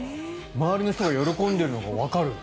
周りの人が喜んでるのがわかる。